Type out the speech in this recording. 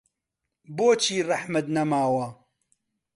بۆچی ڕەحمت نەماوە